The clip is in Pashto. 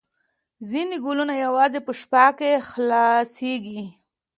ځینې ګلونه یوازې په شپه کې خلاصیږي